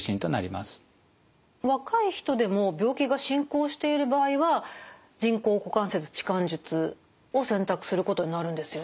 若い人でも病気が進行している場合は人工股関節置換術を選択することになるんですよね？